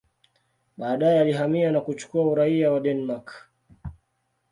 Baadaye alihamia na kuchukua uraia wa Denmark.